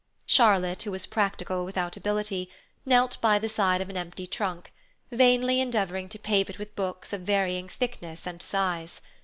Charlotte, who was practical without ability, knelt by the side of an empty trunk, vainly endeavouring to pave it with books of varying thickness and size.